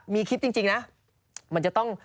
มีคลิปจริงนะมันจะต้อง